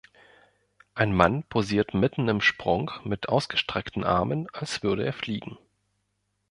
Ein Mann posiert mitten im Sprung mit ausgestreckten Armen, als würde er fliegen.